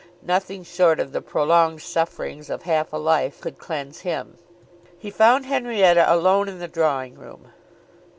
Nothing short of the prolonged sufferings of half a life could cleanse him. He found Henrietta alone in the drawing room.